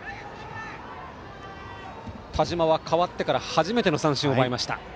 田嶋は代わってから初めての三振を奪いました。